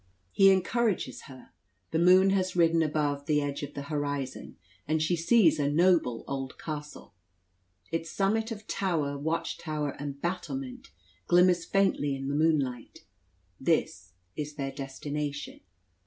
He encourages her. The moon has risen above the edge of the horizon, and she sees a noble old castle. Its summit of tower, watchtower and battlement, glimmers faintly in the moonlight. This is their destination.